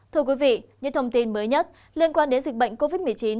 thưa quý vị những thông tin mới nhất liên quan đến dịch bệnh covid một mươi chín